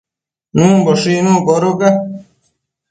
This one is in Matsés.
Nuëmboshë icnuc codoca